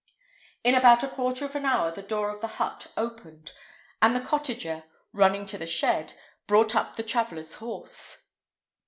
In about a quarter of an hour the door of the hut opened, and the cottager, running to the shed, brought up the traveller's horse.